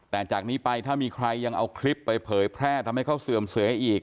แต่จากนี้ไปถ้ามีใครยังเอาคลิปไปเผยแพร่ทำให้เขาเสื่อมเสียอีก